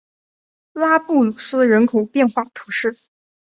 拉布鲁斯人口变化图示